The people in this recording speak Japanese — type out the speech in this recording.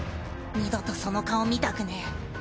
二度とその顔見たくねぇ。